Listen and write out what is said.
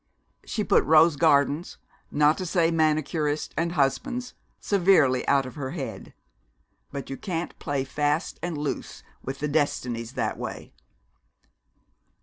She put rose gardens, not to say manicurists and husbands, severely out of her head. But you can't play fast and loose with the Destinies that way.